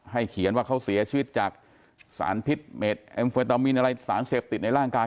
เขียนว่าเขาเสียชีวิตจากสารพิษเม็ดเอ็มเฟตามีนอะไรสารเสพติดในร่างกาย